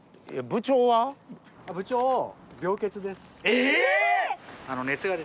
え！